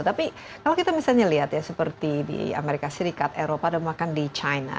tapi kalau kita misalnya lihat ya seperti di amerika serikat eropa dan bahkan di china